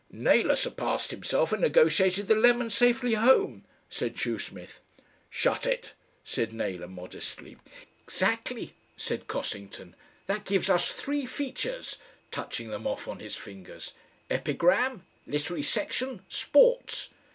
"Naylor surpassed himself and negotiated the lemon safely home," said Shoesmith. "Shut it," said Naylor modestly. "Exactly," said Cossington. "That gives us three features," touching them off on his fingers, "Epigram, Literary Section, Sports.